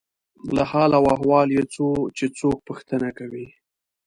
له حال او احوال یې څو چې څوک پوښتنه کوي.